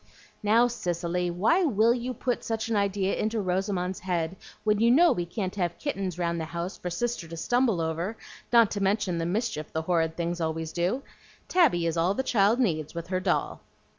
"Now, Cicely, why will you put such an idea into Rosamond's head when you know we can't have kittens round the house for Sister to stumble over, not to mention the mischief the horrid things always do? Tabby is all the child needs, with her doll.